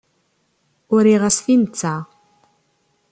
Uriɣ-as-t i netta.